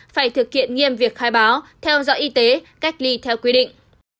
phải thực hiện nghiêm việc khai báo theo dõi y tế cách ly theo quy định